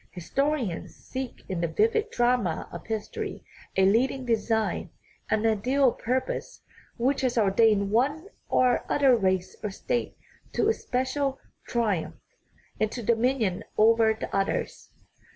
Historians seek in the vivid drama of history a leading design, an ideal purpose, which has ordained one or other race or state to a special tri umph, and to dominion over the others.